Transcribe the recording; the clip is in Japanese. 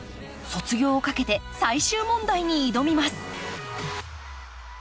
卒業をかけて最終問題に挑みます。